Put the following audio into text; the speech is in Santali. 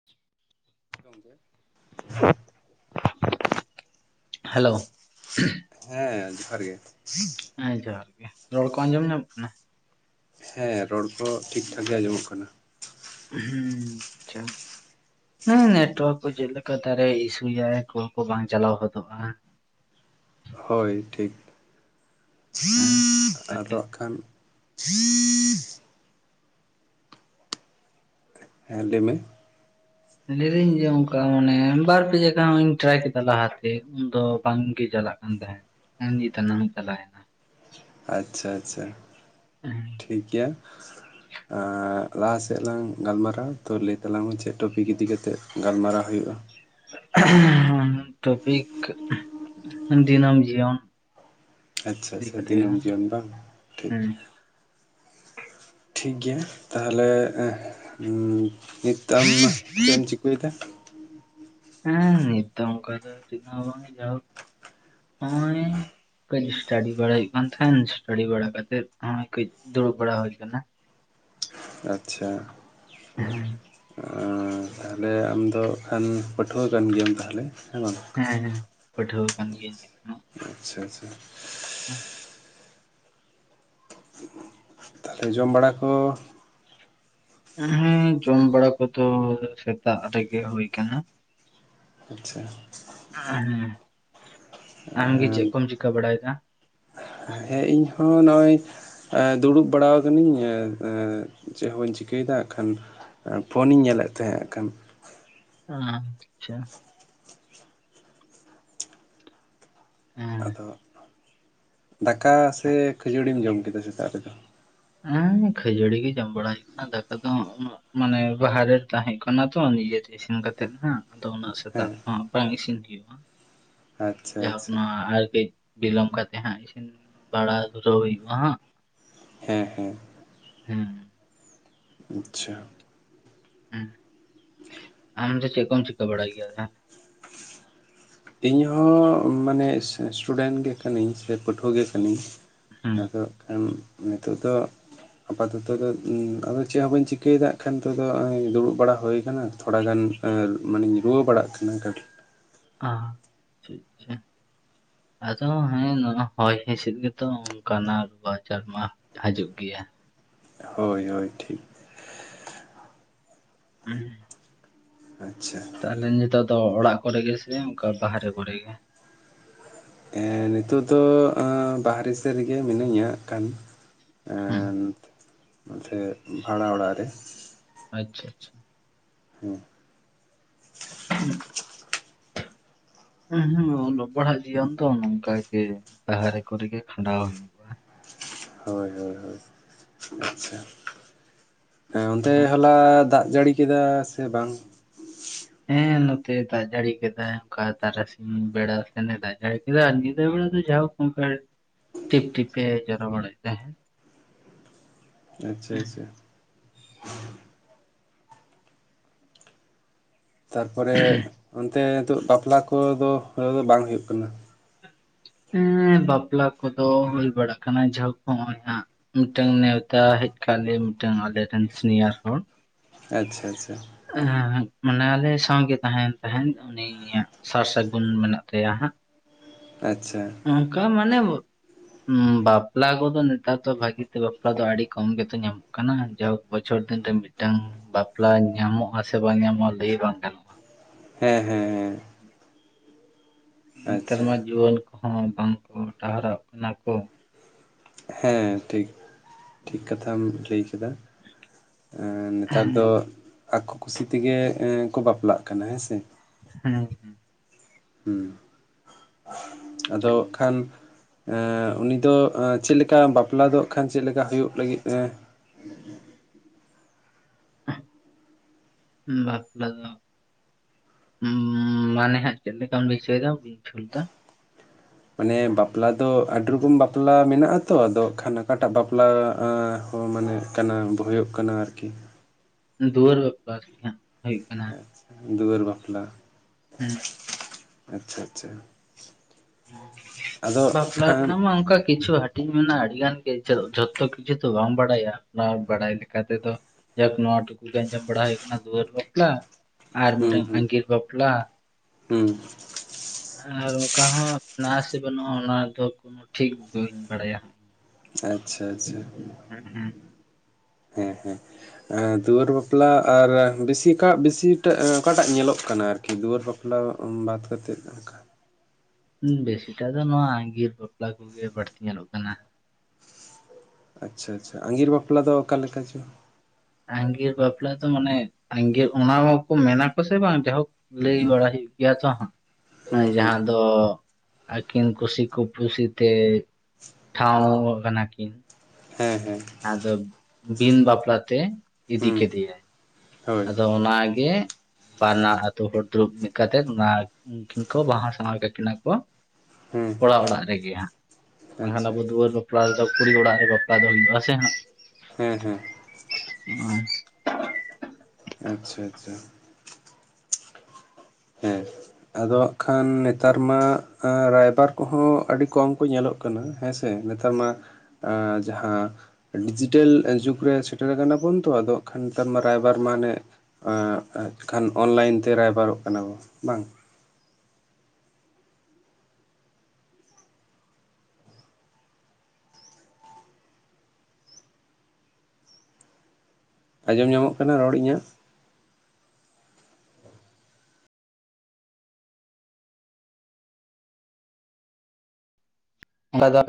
[inaudible] [inaudible] ᱦᱮᱞᱳ ᱦᱮᱸ ᱡᱚᱦᱟᱨ ᱜᱮ ᱦᱮᱸ ᱡᱚᱦᱟᱨ ᱜᱮ ᱨᱚᱲ ᱠᱚ ᱟᱸᱡᱚᱢ ᱧᱟᱢ ᱠᱟᱱᱟ? ᱦᱮᱸ ᱨᱚᱲ ᱠᱚ ᱴᱷᱤᱠ ᱴᱷᱟᱠ ᱜᱮ ᱟᱸᱡᱚᱢᱚᱜ ᱠᱟᱱᱟ᱾ ᱦᱩᱸ ᱟᱪᱷᱟ᱾ ᱦᱮᱸ ᱱᱮᱴᱣᱟᱨᱠ ᱠᱚ ᱪᱮᱫ ᱞᱮᱠᱟ ᱫᱟᱨᱮ ᱤᱥᱩᱭᱟᱭ ᱠᱚᱞ ᱠᱚ ᱵᱟᱝ ᱪᱟᱞᱟᱣ ᱦᱚᱫᱚᱜᱼᱟ᱾ ᱦᱚᱭ ᱴᱷᱤᱠ ᱦᱮᱸ ᱵᱷᱟᱜᱮ ᱟᱫᱚ ᱠᱷᱟᱱ [unintelligible] ᱦᱮᱸ ᱞᱟᱹᱭ ᱢᱮ ᱞᱟᱹᱭᱫᱟᱹᱧ ᱡᱮ ᱚᱱᱠᱟ ᱢᱟᱱᱮ ᱵᱟᱨ ᱯᱮ ᱡᱟᱭᱜᱟ ᱱᱚᱜ-ᱚᱭ ᱤᱧ ᱴᱨᱟᱭ ᱠᱮᱫᱟ ᱞᱟᱦᱟᱛᱮ ᱩᱱᱫᱚ ᱵᱟᱝᱜᱮ ᱪᱟᱞᱟᱜ ᱠᱟᱱ ᱛᱟᱦᱮᱸ᱾ ᱦᱮᱸ ᱱᱤᱛ ᱱᱟ ᱪᱟᱞᱟᱭ ᱮᱱᱟ᱾ ᱟᱪᱪᱷᱟ ᱟᱪᱪᱷᱟ ᱴᱷᱤᱠ ᱜᱮᱭᱟ᱾ [inaudible] ᱟᱨ ᱞᱟᱦᱟ ᱥᱮᱜ ᱞᱟᱝ ᱜᱟᱞᱢᱟᱨᱟᱣᱟ ᱛᱚ ᱞᱟᱹᱭ ᱛᱟᱞᱟᱝ ᱢᱮ ᱪᱮᱜ ᱴᱚᱯᱤᱠ ᱤᱫᱤ ᱠᱟᱛᱮᱫ ᱜᱟᱞᱢᱟᱨᱟᱣ ᱦᱩᱭᱩᱜᱼᱟ᱾ ᱮᱜ ᱦᱮᱦᱮᱢ ᱴᱚᱯᱤᱠ᱾ᱹ ᱫᱤᱱᱟᱹᱢ ᱡᱤᱭᱚᱱ᱾ ᱟᱪᱪᱷᱟ ᱟᱪᱪᱷᱟ ᱫᱤᱱᱟᱹᱢ ᱡᱤᱭᱚᱱ ᱵᱟᱝ᱾ ᱴᱷᱤᱠ ᱦᱩᱸ ᱴᱷᱤᱠ ᱜᱮᱭᱟ ᱛᱟᱦᱞᱮ ᱱᱤᱛᱛᱟᱢ ᱪᱮᱜ ᱮᱢ ᱪᱤᱠᱟᱹᱭᱮᱫᱟ? ᱦᱮᱸ ᱱᱤᱛᱚᱝ ᱚᱱᱠᱟ ᱫᱚ ᱪᱮᱫ ᱦᱚᱸ ᱵᱟᱝᱼᱟ, ᱡᱟᱣ ᱚᱜ-ᱚᱭ ᱠᱟᱹᱡ ᱥᱴᱟᱰᱤ ᱵᱟᱲᱟᱭ ᱦᱩᱭᱩᱜ ᱠᱟᱱ ᱛᱟᱦᱮᱸᱱ ᱥᱴᱟᱰᱤ ᱵᱟᱲᱟ ᱠᱟᱛᱮᱫ ᱱᱚᱜᱼᱚᱭ ᱠᱟᱹᱡ ᱫᱩᱲᱩᱵ ᱵᱟᱲᱟ ᱦᱳᱭ ᱟᱠᱟᱱᱟ᱾ ᱟᱪᱪᱷᱟ ᱦᱮᱸ ᱟᱻ ᱛᱟᱦᱞᱮ ᱟᱢ ᱫᱚ ᱮᱠᱷᱟᱱ ᱯᱟᱹᱴᱷᱩᱣᱟᱹ ᱠᱟᱱ ᱜᱮᱭᱟᱢ ᱛᱟᱦᱞᱮ ᱦᱮᱸ ᱵᱟᱝ? ᱦᱮᱸ ᱦᱮᱸ ᱯᱟᱹᱴᱷᱣᱟᱹ ᱠᱟᱱ ᱜᱤᱭᱟᱹᱧ ᱾ ᱟᱪᱪᱷᱟ ᱟᱪᱪᱷᱟ ᱾ [unintelligible] ᱛᱟᱞᱦᱮ ᱡᱚᱢ ᱵᱟᱲᱟ ᱠᱚ ᱦᱩᱸ ᱡᱚᱢ ᱵᱟᱲᱟ ᱠᱚᱫᱚ ᱥᱮᱛᱟᱜ ᱨᱮᱜᱮ ᱦᱩᱭ ᱟᱠᱟᱱᱟ ᱾ ᱟᱪᱪᱷᱟ ᱾ [inaudible] ᱦᱮᱸ ᱟᱢ ᱜᱮ ᱪᱮᱜ ᱠᱚᱢ ᱪᱤᱠᱟᱹ ᱵᱟᱲᱟᱭᱮᱫ-ᱟ? ᱦᱮᱸ ᱤᱧ ᱦᱚᱸ ᱱᱚᱜᱼᱚᱭ ᱾ ᱫᱩᱲᱩᱵ ᱵᱟᱲᱟ ᱠᱟᱹᱱᱟᱹᱧ ᱪᱮᱫ ᱦᱚᱸ ᱵᱟᱹᱧ ᱪᱤᱠᱟᱹᱭᱮᱫ-ᱟ ᱾ ᱠᱷᱟᱱ ᱯᱷᱳᱱᱤᱧ ᱧᱮᱞᱮᱫ ᱛᱟᱦᱮᱸ ᱠᱷᱟᱱ ᱾ ᱟᱻ ᱟᱪᱪᱷᱟ ᱾ ᱦᱮᱸ ᱟᱫᱚ ᱫᱟᱠᱟ ᱥᱮ ᱠᱷᱟᱹᱡᱟᱹᱲᱤᱢ ᱡᱚᱢ ᱠᱮᱫᱟ ᱥᱮᱛᱟᱜ ᱨᱮᱫᱚ? ᱦᱮᱸ ᱠᱷᱟᱹᱡᱟᱹᱲᱤ ᱜᱮ ᱡᱚᱢ ᱵᱟᱲᱟ ᱦᱩᱭᱩᱜ ᱠᱟᱱᱟ ᱫᱟᱠᱟ ᱫᱚ ᱩᱱᱟᱹᱜ ᱢᱟᱱᱮ ᱵᱟᱦᱟᱨᱮ ᱛᱟᱦᱮᱸ ᱠᱟᱱᱟ ᱛᱚ ᱱᱤᱡᱮ ᱛᱮ ᱤᱥᱤᱱ ᱠᱟᱛᱮᱫ ᱱᱟᱦᱜ ᱟᱫᱚ ᱩᱱᱟᱹᱜ ᱥᱮᱛᱟᱜ ᱦᱮᱸ ᱛᱚᱦᱟᱸᱜ ᱵᱟᱝ ᱤᱥᱤᱱ ᱦᱩᱭᱩᱜᱼᱟ᱾ ᱟᱪᱪᱷᱟ ᱡᱟᱠ ᱟᱪᱪᱷᱟ ᱚᱱᱟ ᱟᱨ ᱠᱟᱹᱡ ᱵᱤᱞᱚᱢ ᱠᱟᱛᱮᱜ ᱦᱟᱸᱜ ᱤᱥᱤᱱ ᱵᱟᱲᱟ ᱫᱷᱩᱨᱟᱹᱣ ᱦᱩᱭᱩᱜᱼᱟ ᱦᱟᱸᱜ ᱾ ᱦᱮᱸ ᱦᱮᱸ ᱾ ᱦᱩᱸ ᱾ ᱟᱪᱪᱷᱟ ᱾ [unintelligible] ᱟᱢ ᱫᱚ ᱪᱮᱜ ᱠᱚᱢ ᱪᱤᱠᱟᱹ ᱵᱟᱲᱟᱭ ᱜᱮᱭᱟ? [inaudible] ᱤᱧ ᱦᱚᱸ ᱢᱟᱱᱮ ᱤᱥᱴᱩᱰᱮᱱᱴ ᱜᱮ ᱠᱟᱹᱱᱟᱹᱧ ᱥᱮ ᱯᱟᱹᱴᱷᱩᱣᱟᱹ ᱜᱮ ᱠᱟᱹᱱᱟᱹᱧ ᱾ ᱦᱮᱸ ᱟᱫᱚ ᱠᱷᱟᱱ ᱱᱤᱛᱚᱜ ᱫᱚ ᱟᱯᱟᱛᱚᱛᱚ ᱟᱫᱚ ᱪᱮᱫ ᱦᱚᱸ ᱵᱟᱹᱧ ᱪᱤᱠᱟᱹᱭᱮᱫᱟ ᱦᱟᱸᱜ-ᱠᱷᱟᱱ ᱱᱤᱛᱚᱜ ᱫᱚ ᱫᱩᱲᱩᱵ ᱵᱟᱲᱟ ᱦᱩᱭᱩ ᱟᱠᱟᱱᱟ ᱾ ᱛᱷᱚᱲᱟ ᱜᱟᱱ ᱢᱟᱱᱮᱧ ᱨᱩᱣᱟᱹ ᱵᱟᱲᱟᱜ ᱠᱟᱱᱟ ᱠᱟᱴᱤᱡ [unintelligible] ᱟᱫᱚ ᱦᱮᱸ ᱱᱚᱜ-ᱚᱭ ᱦᱚᱭ ᱦᱤᱸᱥᱤᱫ ᱜᱮᱛᱚ ᱚᱱᱠᱟᱱᱟ ᱨᱩᱣᱟᱹ-ᱟᱡᱟᱨ ᱢᱟ ᱾ ᱦᱟᱡᱩᱜ ᱜᱮᱭᱟ ᱾ ᱦᱚᱭ ᱦᱚᱭ ᱴᱷᱤᱠ ᱾ [unintelligible] ᱟᱪᱪᱷᱟ ᱾ ᱛᱟᱦᱚᱞᱮ ᱱᱮᱛᱚᱜ ᱫᱚ ᱚᱲᱟᱜ ᱠᱚᱨᱮ ᱜᱮ ᱥᱮ ᱚᱱᱠᱟ ᱵᱟᱦᱨᱮ ᱠᱚᱨᱮ ᱜᱮ? ᱮᱸᱻ ᱱᱤᱛᱚᱜ ᱫᱚ ᱵᱟᱦᱨᱮ ᱥᱮᱫ ᱨᱮᱜᱮ ᱢᱤᱱᱟᱹᱧᱟ ᱦᱟᱸᱜ ᱠᱷᱟᱱ ᱾ ᱦᱮᱸ ᱮᱸᱻ ᱱᱚᱛᱮ ᱵᱷᱟᱲᱟ ᱚᱲᱟᱜ ᱨᱮ ᱾ ᱟᱪᱪᱷᱟ - ᱟᱪᱪᱷᱟ ᱾ ᱦᱮᱸ ᱾ [inaudible] ᱦᱩᱸ ᱦᱩᱸ ᱚᱞᱚᱜ-ᱯᱟᱲᱦᱟᱜ ᱡᱤᱭᱚᱱ ᱫᱚ ᱱᱚᱝᱠᱟ ᱜᱮ ᱵᱟᱦᱨᱮ ᱠᱚᱨᱮ ᱜᱮ ᱠᱷᱟᱸᱰᱟᱣ ᱦᱩᱭᱩᱜ ᱦᱚᱭ ᱦᱚᱭ ᱦᱚᱭ ᱟᱪᱪᱷᱟ ᱾ ᱦᱮᱸ ᱚᱱᱛᱮ ᱦᱩᱸ, ᱦᱚᱞᱟ ᱫᱟᱜ ᱡᱟᱹᱲᱤ ᱠᱮᱫᱟ ᱥᱮ ᱵᱟᱝ? ᱦᱮᱸ ᱱᱚᱛᱮ ᱫᱟᱜ ᱡᱟᱹᱲᱤ ᱠᱮᱫᱟᱭ ᱚᱱᱠᱟ ᱛᱟᱨᱟᱥᱤᱧ ᱵᱮᱲᱟ ᱥᱮ ᱱᱮ ᱫᱟᱜ ᱡᱟᱹᱲᱤ ᱠᱮᱫᱟ ᱟᱨ ᱧᱤᱫᱟᱹ ᱵᱮᱲᱟ ᱫᱚ ᱡᱟᱭᱦᱳᱠ ᱚᱱᱠᱟ ᱴᱤᱯ-ᱴᱤᱯ ᱮ ᱡᱚᱨᱚ ᱵᱟᱲᱟᱭᱮᱫ ᱛᱟᱦᱮᱸᱫ ᱾ ᱟᱪᱪᱷᱟ ᱟᱪᱪᱷᱟ ᱾ [inaudible] ᱛᱟᱨᱯᱚᱨᱮ ᱚᱱᱛᱮ ᱱᱤᱛᱚᱜ ᱵᱟᱯᱞᱟ ᱠᱚᱫᱚ ᱦᱩᱭ ᱫᱚ ᱵᱟᱝ ᱦᱩᱭᱩᱜ ᱠᱟᱱᱟ᱾ ᱦᱮᱸ ᱵᱟᱯᱞᱟ ᱠᱚᱫᱚ ᱦᱩᱭ ᱵᱟᱲᱟᱜ ᱠᱟᱱᱟ ᱡᱟᱦᱳᱠ ᱦᱚᱸᱜ-ᱚᱭ ᱦᱟᱸᱜ᱾ ᱢᱤᱫᱴᱟᱝ ᱱᱮᱣᱛᱟ ᱦᱮᱡ ᱟᱠᱟᱜ ᱞᱮ ᱢᱤᱫᱴᱟᱝ ᱟᱞᱮ ᱨᱮᱱ ᱥᱤᱱᱤᱭᱟᱨ ᱦᱚᱲ᱾ ᱟᱪᱪᱷᱟ ᱟᱪᱪᱷᱟ᱾ ᱢᱟᱱᱮ ᱟᱞᱮ ᱥᱟᱶᱜᱮ ᱛᱟᱦᱮᱱ ᱛᱟᱦᱮᱸᱫ ᱩᱱᱤᱭᱟᱜᱼᱼ ᱥᱟᱨ ᱥᱟᱹᱜᱩᱱ ᱢᱮᱱᱟᱜ ᱛᱟᱭᱟ ᱦᱟᱸᱜ᱾ ᱟᱪᱪᱷᱟ᱾ ᱱᱚᱝᱠᱟ ᱢᱟᱱᱮᱼᱼ ᱦᱩᱸ ᱵᱟᱯᱞᱟ ᱠᱚᱫᱚ ᱱᱮᱛᱟᱨ ᱫᱚ ᱵᱷᱟᱜᱤ ᱛᱮ ᱵᱟᱯᱞᱟ ᱫᱚ ᱟᱹᱰᱤ ᱠᱚᱢ ᱜᱮᱛᱚ ᱧᱟᱢᱚᱜᱼᱼ ᱡᱟᱭᱦᱳᱠ ᱵᱚᱪᱷᱚᱨ ᱫᱤᱱ ᱨᱮ ᱢᱤᱫᱴᱟᱝ ᱵᱟᱯᱞᱟ ᱧᱟᱢᱚᱜᱼᱟ ᱥᱮ ᱵᱟᱝ ᱧᱟᱢᱚᱜ-ᱟ ᱞᱟᱹᱭ ᱵᱟᱝ ᱜᱟᱱᱚᱜᱼᱟ᱾ ᱦᱮᱸ ᱦᱮᱸ ᱦᱮᱸ᱾ ᱱᱮᱛᱟᱨ ᱟᱪᱪᱷᱟ ᱢᱟ ᱡᱩᱣᱟᱹᱱ ᱠᱚᱦᱚᱸ ᱵᱟᱝ ᱠᱚ ᱰᱟᱦᱟᱨᱚᱜ ᱠᱟᱱᱟ ᱠᱚ᱾ ᱦᱮᱸ ᱴᱷᱤᱠ ᱴᱷᱤᱠ ᱠᱟᱛᱷᱟᱢ ᱞᱟᱹᱭ ᱠᱮᱫᱟ᱾ ᱱᱮᱛᱟᱨ ᱫᱚᱼᱼ ᱟᱠᱚ ᱠᱩᱥᱤ ᱛᱮᱜᱮ ᱠᱚ ᱵᱟᱯᱞᱟᱜ ᱠᱟᱱᱟ ᱦᱮᱸ ᱥᱮ, ᱦᱩᱸ ᱦᱩᱸ ᱟᱫᱚ ᱟᱠᱷᱟᱱᱼᱼ ᱩᱱᱤ ᱫᱚ ᱪᱮᱫ ᱞᱮᱠᱟ ᱵᱟᱯᱞᱟ ᱫᱚ ᱦᱟᱸᱜ-ᱠᱷᱟᱱ ᱪᱮᱫ ᱞᱮᱠᱟ ᱦᱩᱭᱩᱜ ᱞᱟᱹᱜᱤᱫᱼᱼ ᱦᱩᱸ ᱵᱟᱯᱞᱟ ᱫᱚᱼᱼ ᱦᱩᱸ ᱢᱟᱱᱮ ᱦᱟᱸᱜ ᱪᱮᱫ ᱞᱮᱠᱟᱢ ᱦᱚᱪᱚᱭᱮᱫᱟ ᱵᱟᱹᱧ ᱵᱩᱡᱷᱟᱣ ᱞᱮᱫᱟ᱾ ᱢᱟᱱᱮ ᱵᱟᱯᱞᱟ ᱫᱚ ᱟᱹᱰᱤ ᱨᱚᱠᱚᱢ ᱵᱟᱯᱞᱟ ᱢᱮᱱᱟᱜᱼᱟ ᱛᱚ ᱟᱫᱚ ᱟᱠᱷᱟᱱ ᱚᱠᱟᱴᱟᱜ ᱵᱟᱯᱞᱟᱼᱼ ᱦᱚᱸ ᱢᱟᱱᱮ ᱠᱟᱱᱟ ᱦᱳᱭᱳᱜ ᱠᱟᱱᱟ ᱟᱨᱠᱤ᱾ ᱫᱩᱣᱟᱹᱨ ᱵᱟᱯᱟᱨ ᱟᱨᱠᱤ ᱦᱟᱸᱜ ᱦᱩᱭᱩᱜ ᱠᱟᱱᱟ᱾ ᱟᱪᱪᱷᱟ ᱫᱩᱣᱟᱹᱨ ᱵᱟᱯᱞᱟ᱾ ᱦᱩᱸ ᱟᱪᱪᱷᱟ ᱟᱪᱪᱷᱟ᱾ ᱟᱫᱚ ᱵᱟᱯᱞᱟ ᱠᱷᱟᱱ ᱨᱮᱱᱟᱜᱢᱟ ᱚᱱᱠᱟ ᱠᱤᱪᱩ ᱦᱟᱴᱼᱼ ᱴᱤᱧ ᱢᱮᱱᱟ ᱟᱹᱰᱤ ᱜᱟᱱ ᱜᱮ ᱡᱚᱛᱚ ᱠᱤᱪᱷᱩ ᱛᱚ ᱵᱟᱢ ᱵᱟᱲᱟᱭᱟ ᱚᱱᱟ ᱵᱟᱲᱟᱭ ᱞᱮᱠᱟ ᱛᱮᱫᱚᱼᱼ ᱡᱟᱭᱦᱳᱠ ᱱᱚᱣᱟ ᱴᱩᱠᱩ ᱜᱮ ᱟᱡᱚᱸᱢ ᱵᱟᱲᱟ ᱦᱩᱭ ᱠᱟᱱᱟ ᱫᱩᱣᱟᱹᱨ ᱵᱟᱯᱞᱟ ᱟᱨ ᱦᱩᱸ ᱢᱤᱫᱴᱟᱝ ᱦᱩᱸ ᱟᱸᱜᱤᱨ ᱵᱟᱯᱞᱟᱼᱼ ᱦᱩᱸ ᱟᱨ ᱚᱠᱟᱦᱚ ᱱᱟᱥᱮ ᱵᱟᱹᱱᱩᱜᱼᱟ ᱚᱱᱟ ᱫᱚ ᱠᱳᱱᱚ ᱴᱷᱤᱠ ᱵᱟᱹᱧ ᱵᱟᱲᱟᱭᱟ᱾ ᱟᱪᱪᱷᱟ ᱟᱪᱪᱷᱟ ᱦᱮᱸ ᱦᱩᱸ ᱦᱮᱸ ᱦᱮᱸ᱾ ᱫᱩᱣᱟᱹᱨ ᱵᱟᱯᱞᱟ ᱟᱨ ᱵᱮᱥᱤ ᱚᱠᱟᱜ ᱵᱮᱥᱤᱴᱟᱜ ᱚᱠᱟᱴᱟᱜ ᱧᱮᱞᱚᱜ ᱠᱟᱱᱟ ᱟᱨᱠᱤ ᱫᱩᱣᱟᱹᱨ ᱵᱟᱯᱞᱟᱼᱼ ᱵᱟᱯᱞᱟ [inaudible] ᱵᱟᱫ ᱠᱟᱛᱮᱫ ᱚᱱᱠᱟ [inaudible] ᱵᱮᱥᱤᱴᱟᱜ ᱫᱚ ᱱᱚᱣᱟ ᱟᱸᱜᱤᱨ ᱵᱟᱯᱞᱟ ᱠᱚᱜᱮ ᱵᱟᱹᱲᱛᱤ ᱧᱮᱞᱚᱜ ᱠᱟᱱᱟ᱾ ᱟᱪᱪᱷᱟ ᱟᱪᱪᱷᱟ ᱟᱸᱜᱤᱨ ᱵᱟᱯᱞᱟ ᱫᱚ ᱚᱠᱟᱞᱮ ᱞᱮᱠᱟ ᱪᱚᱝ᱾ ᱟᱸᱜᱤᱨ ᱵᱟᱯᱞᱟ ᱫᱚ ᱢᱟᱱᱮ ᱟᱝᱜᱤᱨ ᱚᱱᱟ ᱦᱚᱸᱠᱚ ᱢᱮᱱᱟ ᱠᱚ ᱥᱮ ᱵᱟᱝ ᱡᱟᱭᱦᱳᱠ᱾ ᱞᱟᱹᱭ ᱵᱟᱲᱟ ᱦᱩᱭᱩᱜ ᱜᱮ ᱛᱚ ᱦᱟᱸᱜᱼᱼ ᱦᱩᱸ ᱦᱩᱸ ᱡᱟᱦᱟᱸ ᱟᱫᱚ ᱟᱹᱠᱤᱱ ᱠᱩᱥᱤ ᱠᱩ ᱯᱩᱥᱤᱛᱮᱼᱼ ᱴᱷᱟᱶ ᱠᱟᱱᱟ ᱠᱤᱱᱼᱼ ᱦᱮᱸ ᱦᱮᱸ ᱟᱫᱚ ᱵᱤᱱ ᱵᱟᱯᱞᱟᱛᱮ ᱤᱫᱤ ᱦᱩᱸ ᱠᱮᱫᱮᱭᱟᱭ᱾ ᱦᱳᱭ ᱟᱫᱚ ᱚᱱᱟᱜᱮ ᱵᱟᱱᱟ ᱟᱛᱳ ᱦᱚᱲ ᱫᱩᱲᱩᱵ ᱢᱤᱫ ᱠᱟᱛᱮ ᱚᱱᱟ ᱩᱱᱠᱤᱱ ᱠᱚ ᱵᱟᱦᱟ ᱥᱟᱶᱦᱟ ᱠᱟᱠᱤᱱᱟ ᱠᱚ ᱦᱮᱸ ᱠᱚᱲᱟ ᱚᱲᱟᱜ ᱨᱮᱜᱮ ᱦᱟᱸᱜ ᱵᱟᱝᱠᱷᱟᱱ ᱟᱪᱪᱷᱟ ᱟᱵᱚ ᱫᱩᱣᱟᱹᱨ ᱵᱟᱯᱞᱟ ᱫᱚ ᱠᱩᱲᱤ ᱚᱲᱟᱜ ᱨᱮ ᱵᱟᱯᱞᱟ ᱫᱚ ᱦᱩᱭᱩᱜ ᱥᱮ᱾ ᱦᱮᱸ ᱦᱮᱸ [unintelligible] ᱟᱪᱪᱷᱟ ᱟᱪᱪᱷᱟ ᱦᱮᱸ ᱟᱫᱚ ᱦᱟᱜ ᱠᱷᱟᱱ ᱱᱮᱛᱟᱨ ᱢᱟ ᱨᱟᱭᱵᱟᱨ ᱠᱚᱦᱚᱸ ᱟᱹᱰᱤ ᱠᱚᱢ ᱠᱚ ᱧᱮᱞᱚᱜ ᱦᱩᱭᱩᱜ ᱠᱟᱱᱟ ᱦᱮᱸᱥᱮ ᱱᱮᱛᱟᱨ ᱢᱟ ᱡᱟᱸᱦᱟᱸ ᱰᱤᱡᱤᱴᱮᱞ ᱡᱩᱜᱽ ᱨᱮ ᱥᱮᱴᱮᱨ ᱠᱟᱱᱟ ᱵᱚᱱ ᱛᱚ ᱟᱫᱚ ᱠᱷᱟᱱ ᱨᱟᱭᱵᱟᱨ ᱢᱟᱱᱮ ᱠᱷᱟᱱ ᱚᱱᱞᱟᱭᱤᱱ ᱛᱮ ᱨᱟᱭᱵᱟᱨᱚᱜ ᱠᱟᱱᱟ ᱵᱚ ᱵᱟᱝ ᱟᱸᱡᱚᱢ ᱧᱟᱢᱚᱜ ᱠᱟᱱᱟ ᱨᱚᱲ ᱤᱧᱟᱹᱜ᱾ ᱵᱟᱡ [unintelligible]